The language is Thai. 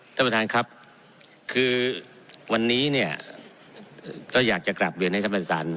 ท่านประธานครับคือวันนี้เนี่ยก็อยากจะกลับเรียนให้ท่านประธาน